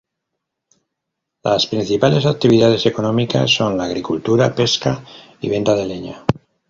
Las principales actividades económicas son la agricultura, pesca y venta de leña.